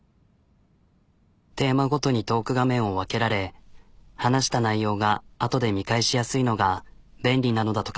テーマごとにトーク画面を分けられ話した内容があとで見返しやすいのが便利なのだとか。